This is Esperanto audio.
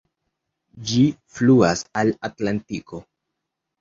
Ĝi fluas al Atlantiko.